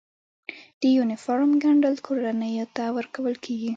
د یونیفورم ګنډل کورنیو ته ورکول کیږي؟